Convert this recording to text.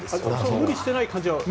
無理してない感じは？